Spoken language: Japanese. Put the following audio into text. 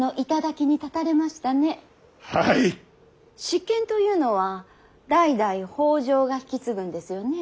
執権というのは代々北条が引き継ぐんですよね。